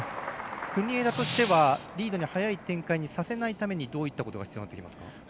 国枝としてはリードに早い展開にさせないためにどういったことが必要になってきますか？